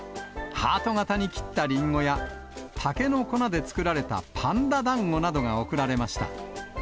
ハート形に切ったリンゴや、竹の粉で作られたパンダだんごなどが贈られました。